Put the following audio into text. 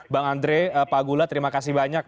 bang andre pak gula terima kasih banyak